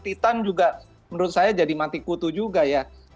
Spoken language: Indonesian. titan juga menurut saya jadi mati kutu juga ya